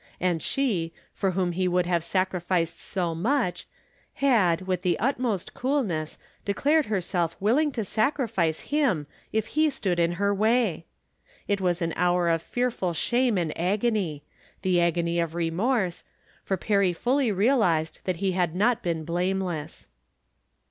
And she, for whom he would have sacrificed so much, had, with the utmost coolness, declared herself willing to sacrifice him if he stood in her way ! It was an hour of fearful shame and agony — the agony of remorse — for Perry fuily realized that he had not been blameless.